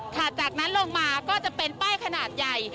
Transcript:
จากนั้นลงมาก็จะเป็นป้ายขนาดใหญ่